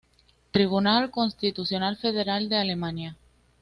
Tribunal Constitucional federal de Alemania